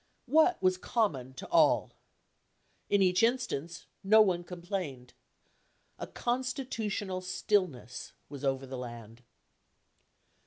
What was common to all ? In each instance no one complained. A constitutional stillness was over the land.